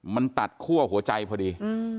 มันตัดคั่วหัวใจพอดี